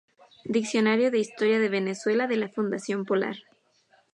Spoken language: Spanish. Diccionario de Historia de Venezuela de la Fundación Polar